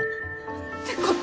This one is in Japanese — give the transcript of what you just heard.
何てこと